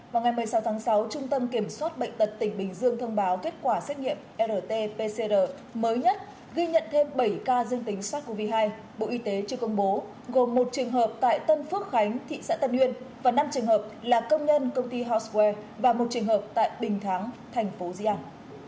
vào ngày một mươi sáu tháng sáu trung tâm kiểm soát bệnh tật tỉnh bình dương thông báo kết quả xét nghiệm rt pcr mới nhất ghi nhận thêm bảy ca dương tính sars cov hai bộ y tế chưa công bố gồm một trường hợp tại tân phước khánh thị xã tân nguyên và năm trường hợp là công nhân công ty hosware và một trường hợp tại bình thắng thành phố di an